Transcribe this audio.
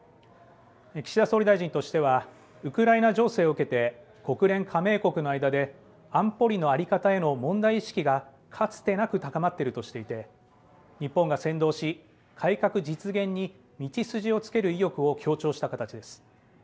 岸田総理大臣としてはウクライナ情勢を受けて国連加盟国の間で安保理の在り方への問題意識がかつてなく高まっているとしていて日本が先導し改革実現に道筋をつける意欲を強調した形です。